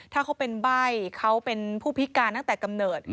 ถ้าเขาเป็นใบ้เขาเป็นผู้พิการตั้งแต่กำเนิด